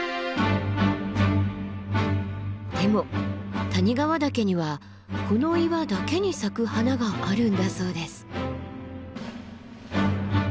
でも谷川岳にはこの岩だけに咲く花があるんだそうです。